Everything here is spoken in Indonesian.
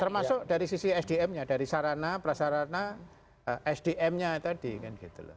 termasuk dari sisi sdmnya dari sarana prasarana sdmnya tadi kan gitu